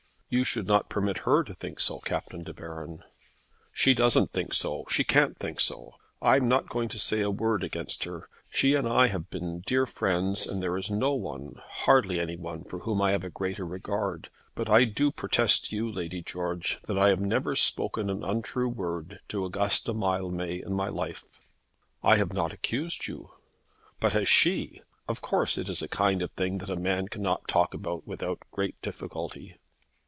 "You should not permit her to think so, Captain De Baron." "She doesn't think so. She can't think so. I am not going to say a word against her. She and I have been dear friends, and there is no one, hardly any one, for whom I have a greater regard. But I do protest to you, Lady George, that I have never spoken an untrue word to Augusta Mildmay in my life." "I have not accused you." "But has she? Of course it is a kind of thing that a man cannot talk about without great difficulty."